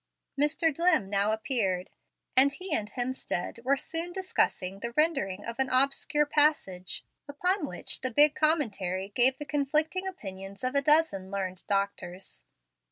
Mr. Dlimm now appeared, and he and Hemstead were soon discussing the rendering of an obscure passage, upon which the big commentary gave the conflicting opinions of a dozen learned doctors.